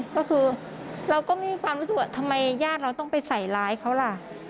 ก็คือเราก็มีความรู้สึกว่าทำไมญาติเราต้องไปใส่ร้ายเขาล่ะ